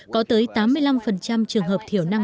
có tới tám mươi năm trường hợp thiểu năng